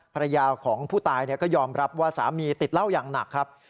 ภรรยาของผู้ตายก็ยอมรับว่าสามีติดเหล้าอย่างหนักครับ